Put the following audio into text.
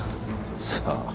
さあ？